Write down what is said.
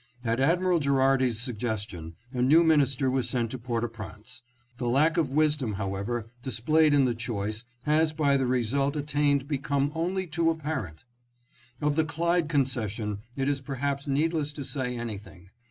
At Admiral Gherardi's suggestion a new minis ter was sent to Port au Prince. ... The lack of wisdom, however, displayed in the choice ... has by the result attained become only too apparent." " Of the Clyde concession it is perhaps needless to say anything